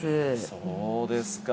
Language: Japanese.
そうですか。